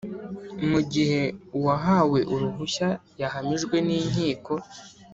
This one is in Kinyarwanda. mu gihe uwahawe uruhushya yahamijwe n’inkiko